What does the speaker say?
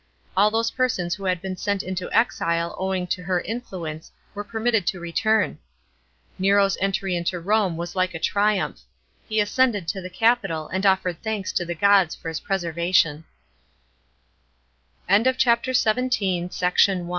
All those persons who had been sent, into exile owing to her influence were permitted to return. Nero's entry into Rome was like a triumph. He ascended to the Capitol and ottered thanks to the gods for his preservation. '280 THE FRINCIPATE OF NEKO. CHAP, xvn SECT. II.